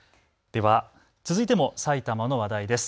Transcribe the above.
では続いても、埼玉の話題です。